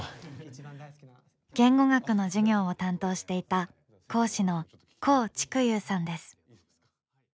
言語学の授業を担当していた講師の黄竹佑さんです。